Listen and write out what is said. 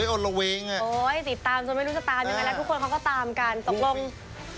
โอ๊ยติดตามจนไม่รู้จะตามยังไงล่ะทุกคนเขาก็ตามกันตกลง